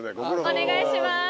お願いします。